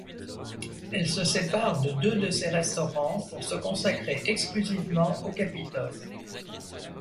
Elle se sépare de deux de ses restaurants pour se consacrer exclusivement au Capitole.